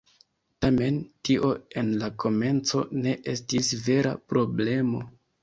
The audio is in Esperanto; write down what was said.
Tamen, tio en la komenco ne estis vera problemo.